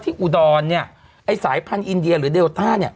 ที่อุดอนธานีไอ้สายพันธุ์อินเดียหรือเดลต้านี่